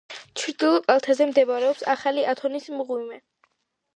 ჩრდილო კალთაზე მდებარეობს ახალი ათონის მღვიმე.